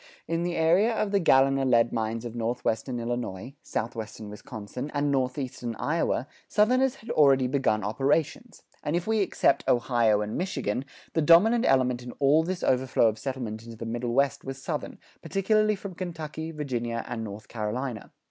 In the area of the Galena lead mines of northwestern Illinois, southwestern Wisconsin, and northeastern Iowa, Southerners had already begun operations; and if we except Ohio and Michigan, the dominant element in all this overflow of settlement into the Middle West was Southern, particularly from Kentucky, Virginia, and North Carolina.